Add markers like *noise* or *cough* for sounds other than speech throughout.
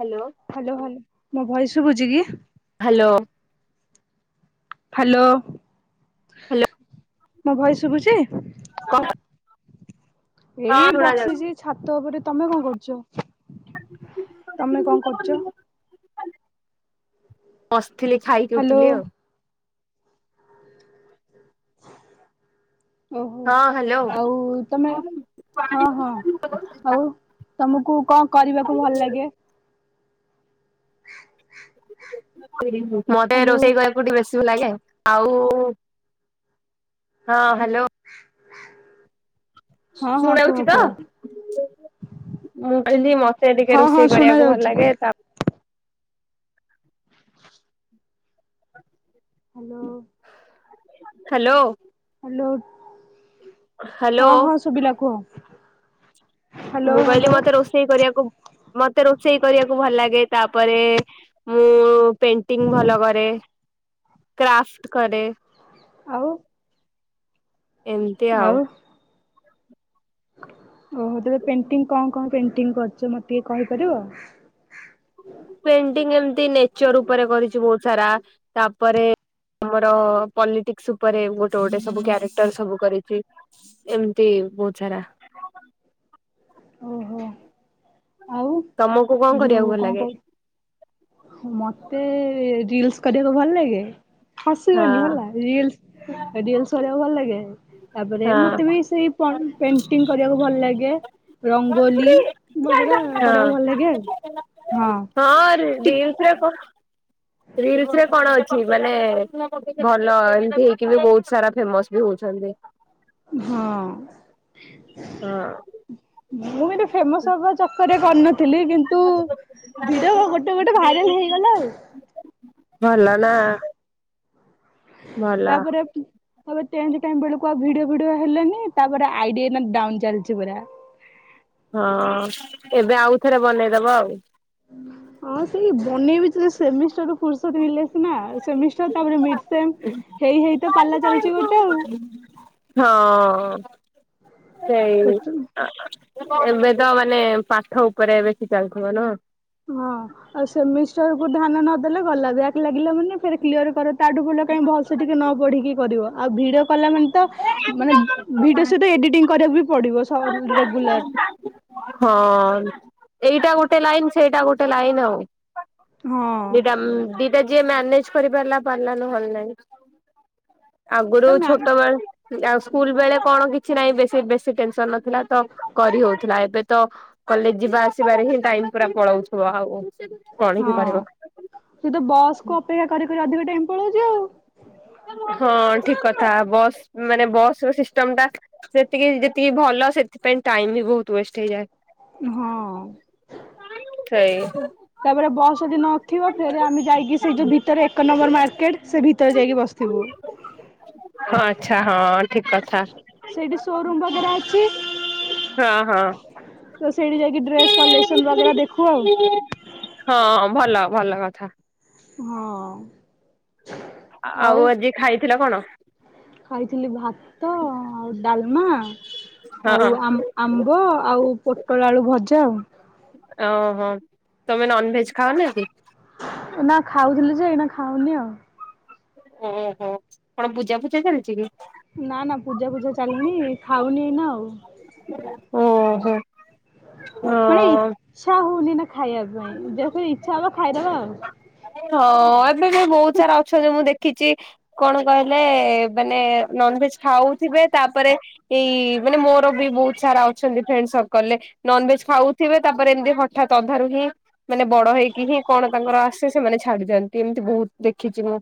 Hello. Hello hello. ମୋ voice ସୁଵୁ ଚି କି? ହ୍ୟାଲୋ। ହ୍ୟାଲୋ। ହ୍ୟାଲୋ। ମୋ ଭୟେସ ଶୁଭୁଛି? ଏଇ କଣ ବସିଛି ଛାତ ଉପରେ। ତମେ କଣ କରୁଚ ତମେ କଣ କରୁଚ? ସମସ୍ତେ। ଥିଲେ ହାଲୋ ଖାଇଦଉଥିଲେ ଆଉ। ଓହୋ ହଁ ହ୍ୟାଲୋ। ଆଉ ତମେ ହଁ ହଁ ଆଉ ତମକୁ କଣ କରିବାକୁ ଭଲ ଲାଗେ? *inaudible* *inaudible* ମତେ ହାଲୋ ରୋଷେଇ କରିବାକୁ ଟିକେ ବେଶୀ ଆଉ ହଁ ହାଲୋ। *inaudible* ହଁ ହଁ କୁହ ଶୁଣାଯାଉଛି ତ କୁହ ମୁଁ କହିଲି ମତେ ଟିକେ ହଁ ହଁ ରୋଷେଇ ଶୁଣା କରିବାକୁ ଭଲ ଯାଉଛି। ଲାଗେ ତା *inaudible* *inaudible* ହାଲୋ। ହାଲୋ। ଲୋପ ହ୍ୟାଲୋ ହଁ ହଁ ଶୁବିଲା କୁହ। ହାଲୋ ମୁଁ କହିଲି ହାଲୋ ମତେ ରୋଷେଇ କରିବାକୁ ମତେ ରୋଷେଇ କରିବାକୁ ଭଲ ଲାଗେ। ତାପରେ ମୁଁ ପେଣ୍ଟିଙ୍ଗ ଭଲ କରେ କ୍ରାପଟ କରେ। ଆଉ ଏମତି ଆଉ। ଓହୋ ତମ ପେଣ୍ଟିଙ୍ଗ କଣ କଣ ପେଣ୍ଟିଙ୍ଗ କରୁଛ ମତେ ଟିକେ କହିପାରିବ? ପେଣ୍ଟିଙ୍ଗ ଏମତି ନେଚର ଉପରେ କରିଛି ବହୁତ ସାରା ତାପରେ ଆମର ପଲିଟିକସ ଉପରେ ଗୋଟେ ଗୋଟେ ସବୁ କ୍ୟାରେକ୍ଟର ସବୁ କରିଛି ଏମିତି ବହୁତ ସାରା। ଓହୋ। ଆଉ ତମକୁ କଣ କରିବାକୁ ଯୋଉ ଭଲ କଣ ଲାଗେ? କହୁ ମତେ ରିଲସ କରିବାକୁ ଭଲ ଲାଗେ। ହଁ ହସିବନି ହେଲା ରିଲସ ରିଲସ କରିବାକୁ ଭଲ ଲାଗେ ତାପରେ ହଁ ମତେ ବି ସେଇ ହଁ। ପେଣ୍ଟି କରିବାକୁ ଭଲ ଲାଗେ ରଙ୍ଗୋଲି ବଗେରା କରିବାକୁ ଭଲ ଲାଗେ ଆଉ। ହଁ ରି ଟି ରିଲସରେ ରିଲସ ରେ କଣ ଅଛି ମାନେ ଭଲ ଏମତି ହେଇକି ବି ବହୁତ ସାରା ଫେମସ ବି ହଉଛନ୍ତି। ହଁ। ହଁ। *inaudible* ଫେମସ ହବ ଚାକରେ *inaudible* ଥିଲି କିନ୍ତୁ ଭିଡିଓ ଗୋଟେ ଗୋଟେ ଭାଇରାଲ ହେଇଗଲା ଆଉ ଭଲ ନା ଭଲ ତାପରେ ତାପରେ ଟେଣ୍ଟ ଟାଇମ୍ ବେଳକୁ ଭିଡିଓ ଭିଡି ହେଲଣିି ତାପରେ ଆଇଡିଆ ଡାଉନ ଚାଲିଛି ପୁରା ହଁ ଏବେ ଆଉଥରେ ବନେଇଦବ ଆଉ ହଁ ସେଇ ବନେଇବଥିଲେ ସେମିଷ୍ଟାର ଫୁରୁଷତ୍ୱ ହେଲେ ସିନା ସେମିଷ୍ଟାର ତାପରେ *inaudible* ହେଇ ହେଇ ପାଲା ଚାଲୁଛି ଗୋଟେ ଆଉ *inaudible* ହଁ ସେଇଆ ଆ ଏବେ ତ ମାନେ ପାଠ ଉପରେ ବେଶି ଚାଲଥିବ ନୁହଁ ହେଲେ ଗଲା ବ୍ୟକ ଲା *inaudible* କ୍ଲିୟ କର ତାଠୁ ଭଲ କାଇହିଁ ଭଲସେ ଟିକେ ନ ପଢିକି କରିବ ଆଉ ଭିଡିଓ କଲା ମାନେ ତ ମାନେ ଭିଡିଓ ସହିତ ଏଡିଟିଂ କରିବାକୁ ପଡିବ ସ ରେଗୁଲାର *inaudible* ହଁ ଏଇଟା ଗୋଟେ ଲାଇନ ସେଇଟା ଗୋଟେ ଲାଇନ ଆଉ ହଁ। ଦିଟା ମ୍ ଦିଟା ଯେ ମ୍ୟାନେଜେ କରିପାରିଲା *inaudible* ଆଗରୁ ଛୋଟ ମ୍ୟାମ୍ ବେଳେ ଆଉ ସ୍କୁଲ ବେଳେ କଣ କିଛି କିଛି ନାଇଁ ବେଶୀ ବେଶ ସେ ଟେନସନ ନଥିଲା। କରି ହଉଥିଲା ଏବେ ତ କଲେଜ ଯିବା ଆସିବାରେ ହିଁ ଟାଇମ ପୁରା ପଳଉଥିବ ଆଉ। କଣ ହଁ ହିଁ କରିବ। ସେ ତ ବସ୍ କୁ ଅପେକ୍ଷା କରି କରି ଅଧିକ ମ୍ପଳ ଯାଉ ହଁ ଠିକ କଥା ବସ୍ ମାନେ ବସ ସିଷ୍ଟମ ଟା ସେତିକି ଯେତିକି ଭଲ ସେ ସେଥି ଟାଇମ ବି ବହୁତ ୱେଷ୍ଟ ହେଇଯାଏ। ହଁ ସେଇ ତାପରେ ବସ୍ ଯଦି ନଥିବ ଫେରେ ଆମେ ଯାଇକି ସେଇ ଯୋଉ ଭିତରେ ଏକ ନମ୍ବର ମାର୍କେଟ ସେ ଭିତରେ ଯାଇକି ବସିଥିବୁ। ଓ ଆଛା। ହଁ ଠିକ କଥା ସେଇଠି ସୋରୁମ ବଗେରା ଅଛି *inaudible* ହଁ ହଁ। ତ ସେଇଠି ଯାଇକି ଡ୍ରେସ କଲେସନ ବଗେରା ଦେଖୁ ଆଉ। ହଁ ଭଲ ଭଲ କଥା ହଁ। ଆଉ ଆଜି ଖାଇଥିଲ କଣ? ଖାଇଥିଲି ଭାତ ଆଉ ଡାଲମା ଆଉ ହଁ ଆମ୍ବ ଆଉ ପୋଟଳ ଆଳୁ ଭଜା ଯାଅ ଓହୋ ତମେ ନନ ଭେଜ ଖାଅନା କି? ନା ଖାଉଥିଲି ଯେ ଏଇନା ଖାଉନି ଆଉ ଓହୋ କଣ ପୂଜା ଫୂଜା ଚାଲିଛି କି? ନା ନା ପୂଜା ଫୂଜା ଚାଲୁନି ଖାଉନି ନା ଆଉ ଓ ହୋ। ମାନେ ଇ ଛା ହେଉନି ଖାଇବା ପାଇଁ ଯେ ଇଚ୍ଛା ହବା। ଖାଇବା ଆଉ। ହଁ ଏବେ ବି ବହୁତ ସାରା ଅଛନ୍ତି ମୁଁ ଦେଖିଛି କଣ କହିଲେ ମାନେ ନନଭେଜ ଖାଉଥିବେ ତାପରେ ଏଇ ମାନେ ମୋର ହଁ -ଅ-ଏବେ ବି ବହୁତ ସାରା ଅଛନ୍ତି ମୁଁ ଦେଖିଛି କଣ କହିଲେ ମାନେ ନନଭେଜ ଖାଉଥିବେ ତା ପରେ ଏଇ ମାନେ ମୋର ବି ବହୁତ ସାରା ଅଛନ୍ତି ଫ୍ରେଣ୍ଡ ସର୍କଲ ରେ ନନଭେଜ ଖାଉଥିବେ ତାପରେ ଏମିତି ହଠାତ୍ ଅନ୍ଧାରୁ ହିଁ ମାନେ ବଡ ହେଇକି ହିଁ କଣ ତାଙ୍କର ସେ ସେମାନେ ଛାଡି ଜାଆନ୍ତି ଏମିତି ବହୁତ ଦେଖିଛି ମୁଁ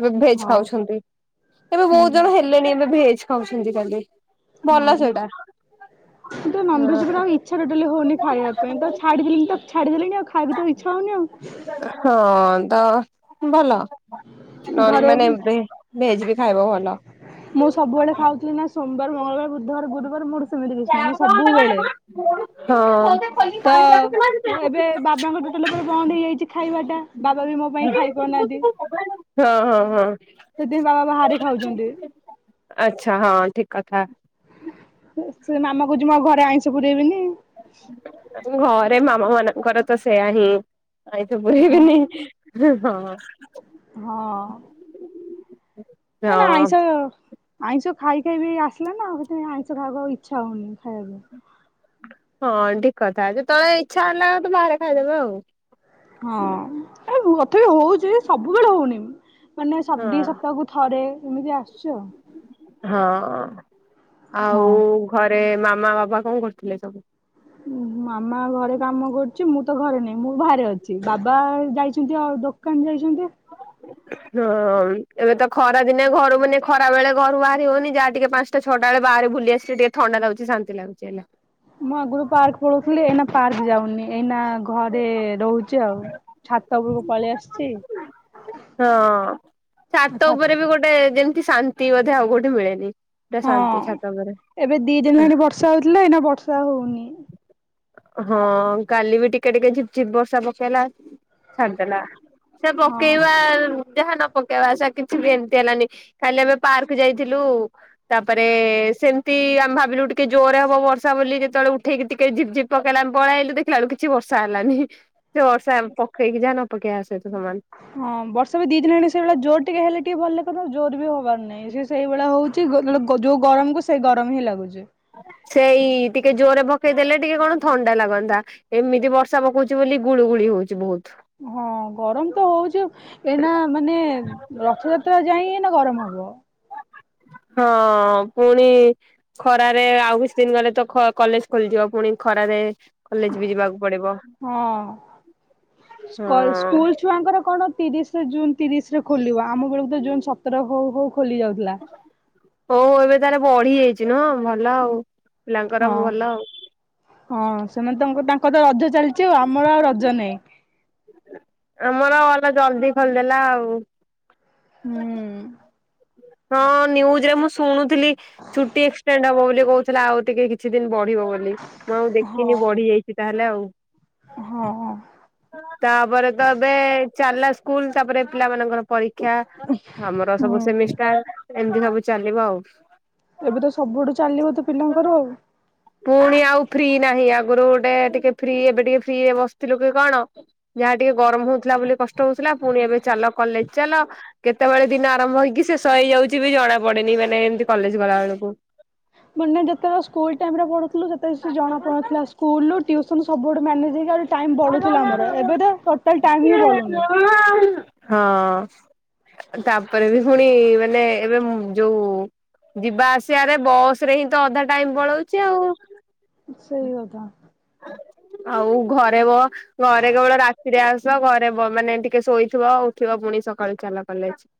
ଏବେ ଭେଜ ହଁ ଖାଉଛନ୍ତି ଏବେ ବହୁତ ହୁଁ ଜଣ ହେଲେଣି ଏବେ ଭେଜ ଖାଉଛନ୍ତି ତାହେଲେ ହୁଁ ନନଭେଜ ଉପରେ ହଁ ଆଉ ଇଛା ଟୋଟାଲି ହଉନି ଖାଇବା ପାଇଁ ତ ଛାଡିଦେଲିଣି ତ ଛାଡିଦେଲିଣି ଆଉ ଖାଇବାକୁ ତ ଇଚ୍ଛା ହଉନି ଆଉ। ହଁ ତ ଭଲ। ନ ଘରେ ମାନେ ଭେଜ ବି ଖାଇବ ଭଲ। ମୁଁ ସବୁବେଳେ ଖାଉଥିଲି। ସୋମବାର, ମଙ୍ଗଳବାର, ବୁଧବାର, ଗୁରୁବାର, ମୋର ସେମିତି କିଛି ନାହିଁ ମୁଁ ସବୁବେଳେ ତ ମୁଁ ଏବେ ହଁ। ବାବାଙ୍କ ଟୋଟେଲ ଉପରେ ବନ୍ଦ ହେଇଯାଇଛି ଖାଇବା ଟା ବାବା ବି ମୋ ପାଇଁ ଖାଇପାରୁନାହାନ୍ତି ହଁ ହଁ ହଁ ସେଥିପାଇଁ ବାବା ବାହାରେ ଖାଉଛନ୍ତି। ଆଚ୍ଛା ହଁ ଠିକ। *inaudible* କଥା ସେ ମାମା କହୁଛି ମୁଁ ଆଉ ଘରେ ଆଇଁଷ ପୁରେଇବିନି ଘର ଆରେ ମାମା ମାନଙ୍କରତ ସେଇଆ ହିଁ। ଆଇତୁ ବୁଢିହେଇ ହଁ ଗଲୁଣି। ହୁଁ ହଁ। ହଁ। ଏ ହଁ ନାଇସା ଆଇଁଷ ଖାଇ ଖାଇ ବି ଆସିଲା ନା ଆଉ ସେଥିପାଇଁ ଆଇଁଷ ଖାଇବାକୁ ଆଉ ଇଚ୍ଛା ହଉନି। ଖାଇବାକୁ। ହଁ ଠିକ କଥା। ଯେତେବେଳେ ଇଛା ହେଲା ତ ବାହାରେ ଖାଇଦେବ ଆଉ। ହଁ ଏ ମୁ କଥାପି ହଉଚି ସବୁବେଳେ ହଉନି। ମାନେ ସଦ ଦି ହଁ ସପ୍ତାହକୁ ଥରେ। ଏମିତି ଆସୁ। ଚ ହଁ। ଆଉ ଘ ରେ ମାମା ବାବା କଣ କରୁଥିଲେ ସବୁ? ମାମା ଘରେ କାମ କରୁଚି। ମୁଁ ତ ଘରେ ନାହିଁ ମୁଁ ବାହାରେ ଅଛି। ବାବା ଯାଇଚନ୍ତି ଆଉ ଦୋକାନ ଯାଇଚନ୍ତି। ହଁ ଏବେ ତ ଖରା ଦିନେ ଘରୁ ମାନେ ଖରା ବେଳେ ଘରୁ ବାହାରି ହଉନି ଯାହା ଟିକେ ପାଞ୍ଚଟା ଛଅଟା ବେଳେ ବାହାରେ ବୁଲି ଆସିଲେ ଟିକେ ଥଣ୍ଡା ଲାଗୁଚି, ଶାନ୍ତି ଲାଗୁଚି ହେଲେ। ମୁଁ ଆଗରୁ ପାର୍କ ପଳଉଥିଲି। ଏଇନା ପାର୍କ ଯାଉନି। ଏଇନା ଘରେ ରହୁଚି ଆଉ। ଛାତ ଉପରକୁ ପଳେଇ ଆସୁଚି। ହଁ ଛାତ ଉପରେ ବି ଗୋଟେ ଯେମିତି ଶାନ୍ତି ବୋଧେ ଆଉ କୋଉଠି ମିଳେନି। ପୁରା ହଁ ଶାନ୍ତି ଛାତ ଉପରେ ଏବେ ଦି ଦିନ ହେଇନାଇ ବର୍ଷା ହଉଥିଲା, ଏଇନା ବର୍ଷା ହଉନି। ହଁ କାଲି ବି ଟିକେ ଟିକେ ଝିପ ଝିପ୍ ବର୍ଷା ପକେଇଲା, ଛାଡିଦେଲା। ସେ ହଁ। ପକେଇବା ଯାହା ନ ପକେଇବା ସେ କିଛି ବି ଏମିତି ହେଲାନି। କାଲି ଆମେ ପାର୍କ ଯାଇ ଥିଲୁ। ତାପରେ ସେମିତି ଆମ ଭାବିଲୁ ଟିକେ ଜୋରରେ ହବ ବର୍ଷା ବୋଲିକି ଯେତେବେଳେ ଉଠେଇକି ଟିକେ ଝିପ୍ ଝିପ୍ ପକେଇଲା ଆମେ ପଳେଇଲୁ ଦେଖିଲା ବଳକୁ କିଛି ବର୍ଷା ହେଲାନି। ସେ ବର୍ଷା ପକେଇକି ଯାହା ନ ପକେଇବା ସେଇତ ହଁ ବର୍ଷ ବି ଦିଦିନହେଲାଣି ସେଇଭଳିଆ ଜୋର ଟିକେ ହେଲେ ଟିକେ ଭଲ ଲା ଜୋର ବି ହବାର ନାହିଁ। ସେ ସେଇଭଳିଆ ହଉଚି ଯୋଉ ଗରମକୁ ସେ ଗରମ ହିଁ ଲାଗୁଚି। ସେଇ ଟିକେ ଜୋରରେ ପକେଇ ଦେଲେ, ଟିକେ କଣ ଥଣ୍ଡା ଲାଗନ୍ତା। ଏମିତି ବର୍ଷା ପକଉଚି, ବୋଲି ଗୁଳୁଗୁଳି ହଉଚି ବହୁତ। ହଁ ଗରମ ତ ହୋଉଚି। ଏଇନା ମାନେ ରଥଯାତ୍ରା ଯାଇଁ ଏନା ଗରମ ହ ହବ। ହଁ ପୁଣି ଖରାରେ ଆଉ କିଛି ଦିନ ଗଲେ ତ ଖ କଲେଜ ଖୋଲିଯିବ ପୁଣି ଖରାରେ। କଲେଜ ବି ଯିବାକୁ ପଡିବ ହଁ ହଁ ସ୍କଲ୍ ସ୍କୁଲ ଛୁଆଙ୍କର କଣ ତିରିଶ ଜୁନ୍ ତିରିଶରେ ଖୋଲିବ। ଆମ ବେଳକୁ ତ ଜୁନ ସତର ହଉ ହଉ ଖୋଲି ଯାଉଥିଲା। ତାର ବଢି ଯାଇଛି ନୁହଁ? ଭଲ ଆଉ ପିଲାଙ୍କର ହଁ ଭଲ ଆଉ। ହଁ ସେମାନେ ତମକୁ ଡା ଙ୍କର ତ ରଜ ଚାଲିଛି ଆଉ। ଆମର ଆଉ ରଜା ନାଇଁ ଆମର ଅଲା ଜଲଦି ଖୋଲଦେଲା ଆଉ। ହୁଁ ହଁ ନିୟୁଜରେ ମୁଁ ସୁଣୁ ଚୁଟି ଏଷ୍ଟେଟ ହବ ବୋଲି। କିଏ କହୁଥିଲା ଆଉ ଟିକେ କିଛି ଦିନ ବଢିବ ବୋଲି ମୁଁ ଆଉ ହଁ ଦେଖିନି ବଢି ଯାଇଛି ତା ହେଲେ। ହେଲା ଆଉ। ହଁ ତାପରେ ତ ଏବେ ଚାଲାସ୍ ସ୍କୁଲ ତାପରେ ପିଲାମାନଙ୍କର। ପରୀକ୍ଷା ଆମର ହଁ ସବୁ ସେମିସ୍ ଏମିତି ସବୁ ଚାଲିବ। ହଉ। ଏବେ ତ ସବୁଠୁ। ଚାଲିବ ତୁ ପିଲାଙ୍କର ଆଉ। ପୁଣି ଆଉ ଫ୍ରି ନାହିଁ ଆଗରୁ ଗୋଟେ ଟିକେ ଫ୍ରି ଏବେ ଟିକେ ଫ୍ରି ବସିଥିଲୁ କି କଣ? ଯାହା ଟିକେ ଗରମ ହଉଥିଲା ବୋଲି କଷ୍ଟ ହଉଥିଲା ପୁଣି ଏବେ ଚାଲ କଲେଜ ଚାଲ କେତେବେଳେ ଦିନ ଆରମ୍ଭ ହେଇକି ଶେଷ ହେଇଯାଉଛି ବି ଜଣା ପଡେନି ମାନେ ଏମିତି କଲେଜ ଗଲାବେେଳକୁ। ମାନେ ଯେତେବେଳେ ସ୍କୁଲ୍ ଟାଇମ୍ ରେ ପଢୁଥିଲୁ ସେତେ ଜଣା ପଡୁଥିଲା ସ୍କୁଲ ଟିଉସନ ସବୁଆଡୁ ମ୍ୟା ନେଜ୍ ହେଇକି ଆହୁରି ଟାଇମ ହଁ ବଳୁଥିଲା ଆମର ଏବେ ତ ଟୋଟାଲ ଟାଇମ ହିଁ ବଳୁନି। *unintelligible* ତାପରେ ବି ଫୁଣି ମାନେ ଏବେ ଯୋଉ ଯିବା ଆସିବାରେ ବସ ରେ ହିଁ ଅଧା ଟାଇମ ପଲଉଛି ଆଉ। ସେଇ କଥା ଆଉ ଘରେ ବ ଘରେ କେବଳ ରାତିରେ ଆସ ଘରେ ମାନେ ଟିକେ ଶୋଇଥିବ ଉଠିବ ପୁଣି ସକାଳୁ ଚାଲା କଲେଜ।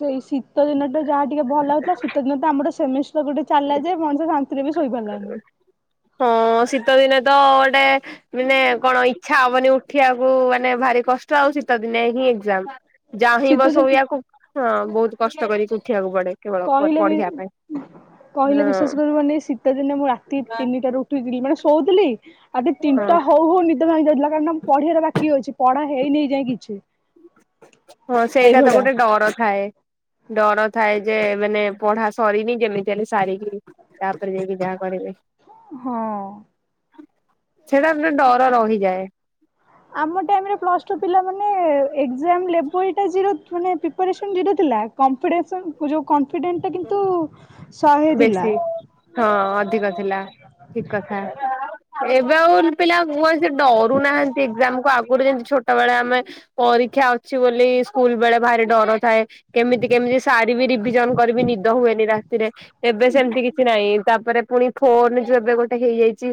ସେଇ ଶୀତ ଦିନ ଟା ଯାହା ଟିକେ ଭଲ ଲାଗୁଥିଲା ଶୀତ ଦିନ ତ ଆମର ସେମି ଗୋଟେ ଚାଲା ଯେ ମଣିଷ ବି ଶୋଇପାରିଲାନି ହଁ ଶୀତ ଦିନ *unintelligible* ଗୋଟେ ମାନେ କଣ ଇଚ୍ଛା ହବନି ଉଠିବାକୁ ମାନେ ଭାରି କଷ୍ଟ ଶୀତ ଦିନେ ହିଁ ଏକ୍ସାମ୍। ଯା ହିଁ ଶୀତ ବସ ଦିନ ସୋୟାକୁ ହଁ ବହୁତ କଷ୍ଟ କରିକି ଉଠିବାକୁ ପଡେ କେବଳ କହିଲେ ପଢିବା ପାଇଁ ହଁ। ମାନେ ଶୀତ ଦିନ ମୁଁ ରାତି ତିନିଟାରୁ ଉଠିଥିଲି ମାନେ ସୋ ଆଗେ ହଁ ତିନିତା ହଉ ହଉ ନିଦ ଭାଙ୍ଗିଯାଉଥିଲା ମୁ ପଢିବାର ବାକି ଅଛି ପଢା ହେଇନି ଏଯାଇ କିଛି ହଁ ସେଇଟା ତ ଏଇଭଳିଆ ଗୋଟେ ଡର ଥାଏ ଡର ଥାଏ ଯେ ମାନେ ପଢା ସରିନି ଯେମିତି ହେଲେ ସାରିକି ତାପରେ ଯାଇକି ଯାହା କରିବେ ହଁ। ସେଇଟାେ ଡର ରହିଯାଏ ଆମ ଟାଇମ ରେ ପ୍ଲସ ଟୁ ପିଲା ମାନେ ଏାମେବଲାର ମାନେ ପ୍ରିପସନ୍ ଜିରୋ ଥିଲାମ୍ପ ିଡେଣ୍ଟଟା କିନ୍ତୁ ଶହେ ଥିଲା ବେଶୀ ହଁ ଅଧିକ ଥିଲା ଠିକ କଥା ଏବେ ଆଉ ପିଲା କୁହ ସେ ଡରୁ ନାହାନ୍ତି ଏଜାମକୁ ଆଗ ଆ ଯେମତି ଛୋଟ ବେଳେ ଆମେ ପରୀକ୍ଷା ଅଛି ବୋଲି ସ୍କୁଲ ବେଳେ ଭାରି ଡର ଥାଏ କେମିତି କେମିତି ସାରିବି ରିଭିଜନ କରିବି ନିଦ ହୁଏନି ରାତିରେ? ଏବେ ସେମିତି କିଛି ନାହିଁ ତାପରେ ପୁଣି ଫୋନ ଯୋଉ ଏବେ ଗୋଟେ ହେଇଯାଇଛି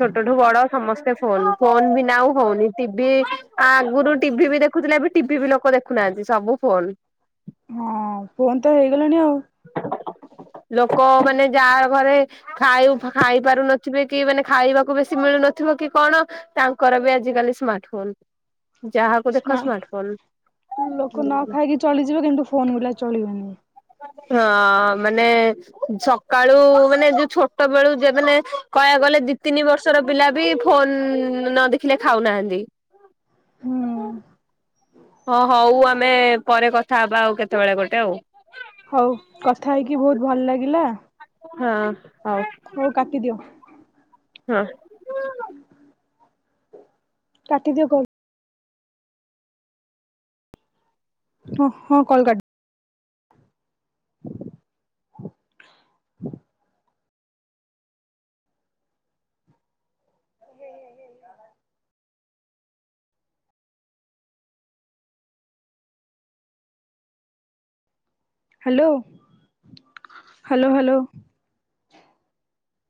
ଛୋଟଠୁ ବଡ ସମସ୍ତେ ଫୋନ ଫୋନ ବି ନାଉ ହଉନି ଟିଭି ଆଗରୁ ଟିଭି ବି ଦେଖୁଥିଲେ ଏବେ ଟିଭି ବି ଲୋକ ଦେଖୁନାହାନ୍ତି ସବୁ ଫୋନ? ହଁ ଫୁନ୍ ତ ହେଇଗଲାଣି ଆଉ! ଲୋକ ମାନେ ଯାହା ଘରେ ଖାଇ ଖାଇ ପାରୁନ ିବେ କି ମାନେ ଖାଇବାକୁ ବେଶି ମିଳୁନଥିବ କି କଣ ତାଙ୍କର ବି ଆଜ କାଲି ସ୍ମାର୍ଟ ଫୋନ? ଯାହାକୁ ଦେଖ ସ୍ମାର୍ଟଫୋନ ଲୋକ ନ ଖାଇକି ଚଳିଯିବ କିନ୍ତୁ ଫୋନ ଭିଲ ଚଳିବନି ହଁ ମାନେ ସକାଳୁ ମାନେ ଯୋଉ ଛୋଟ ବେଳୁ ଯେ ମାନେ କହକୁ ଗଲେ ଦି ତିନି ବର୍ଷର ପିଲା ବି ଫୋନ ନ ଦେଖିଲେ ଖାଉନାହାନ୍ତି? ହୁଁ ହଁ ହଁ ହଉ ଆମେ ପରେ କଥା ହବା ଆଉ କେତେବେଳେ ଗୋଟେ ଆଉ! ହଉ କଥା ହେଇକି ବହୁତ ଭଲ ଲାଗିଲା ହଁ ହଉ କାଟଦିଓ ହଁ ହୁଁ ହୁଁ କାଟିଦିଅ କର ହ ହଁ କଲ୍ କରି *unintelligible* ହେ ଭ ହ୍ୟାଲୋ ହ୍ୟାଲୋ ହ୍ୟାଲୋ